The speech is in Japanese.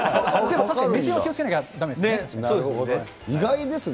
確かに目線は気をつけなきゃだめですね。